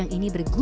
dan lebih berharga